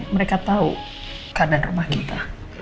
mereka tahu keadaan rumah kita